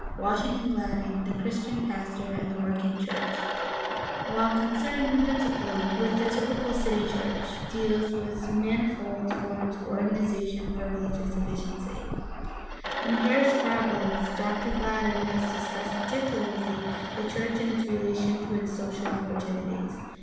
Washington Gladden, The Christian Pastor and the Working Church (New York : Scrib ner, 1898), while concerned principally with the typical city church, deals with manifold forms of organization for religious efficiency. In Parish Problems (New York: Century Co., 1887) Dr. Gladden has discussed particularly the church in its relation to its social opportunities.